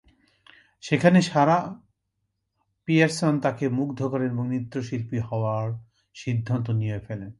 সেখানে Sarah Pearson তাঁকে মুগ্ধ করেন এবং নৃত্য শিল্পী হবার সিদ্ধান্ত নিয়ে ফেলেন।